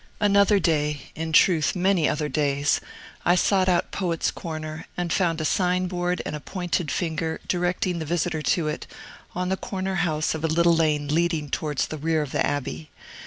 Another day in truth, many other days I sought out Poets' Corner, and found a sign board and pointed finger, directing the visitor to it, on the corner house of a little lane leading towards the rear of the Abbey.